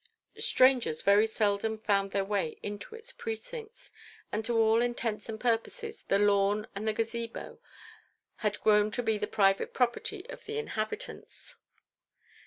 Strangers very seldom found their way to its precincts, and to all intents and purposes the lawn and the Gazebo had grown to be the private property of the inhabitants.